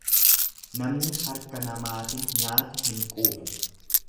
Namni harka namaatin nyaatu hin quufu.